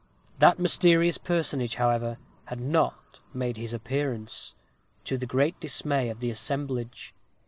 That mysterious personage, however, had not made his appearance to the great dismay of the assemblage.